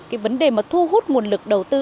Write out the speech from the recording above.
cái vấn đề mà thu hút nguồn lực đầu tư